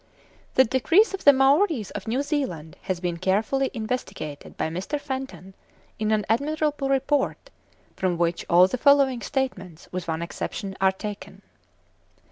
The decrease of the Maories of New Zealand has been carefully investigated by Mr. Fenton, in an admirable Report, from which all the following statements, with one exception, are taken.